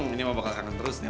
ini mau bakal kangen terus ya